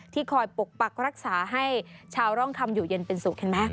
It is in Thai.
คอยปกปักรักษาให้ชาวร่องคำอยู่เย็นเป็นสุขเห็นไหม